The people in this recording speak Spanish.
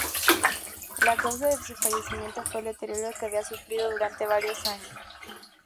La causa de su fallecimiento fue el deterioro que había sufrido durante varios años.